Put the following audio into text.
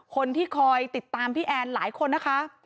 คนที่คอยติดตามพี่แอนหลายคนนะคะ